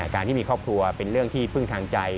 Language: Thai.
การที่มีครอบครัวเป็นเรื่องที่พึ่งทางใจ